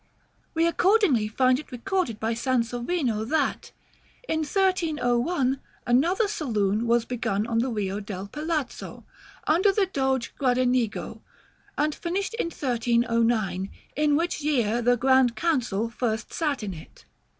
We accordingly find it recorded by Sansovino, that "in 1301 another saloon was begun on the Rio del Palazzo, under the Doge Gradenigo, and finished in 1309, in which year the Grand Council first sat in it."